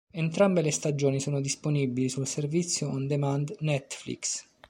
Entrambe le stagioni sono disponibili sul servizio on demand Netflix.